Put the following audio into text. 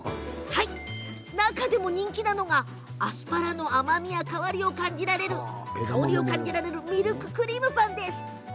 中でも人気なのがアスパラの甘みや香りを感じられるミルククリームパンです。